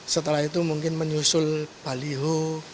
setelah itu mungkin menyusul baliho